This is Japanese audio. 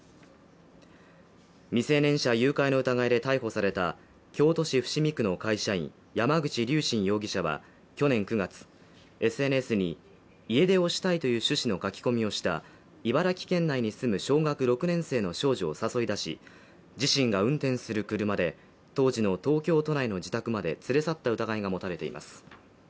未成年者誘拐の疑いで逮捕された京都市伏見区の会社員山口龍真容疑者は去年９月、ＳＮＳに家出をしたいという趣旨の書き込みをした茨城県内に住む小学６年生の少女を誘い出し自身が運転する車で当時の東京都内の自宅まで連れ去った疑いが持たれています。